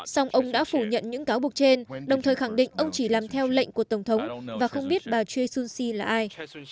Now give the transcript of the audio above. xong ông đã phủ nhận những cáo buộc trên đồng thời khẳng định ông chỉ làm theo lệnh của tổng thống và không biết bà choi soon sil là ai